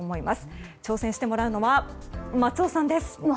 挑戦してもらうのは松尾さんです。